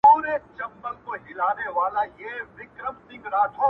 اوس به نصـــیب ګــــورمه چې را به شي که نه به شي